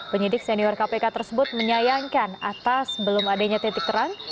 penyidik senior kpk tersebut menyayangkan atas belum adanya titik terang